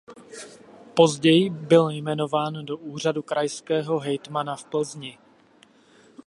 Později byl jmenován do úřadu krajského hejtmana v Plzni.